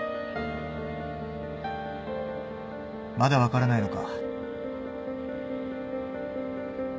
まだ分からないのか。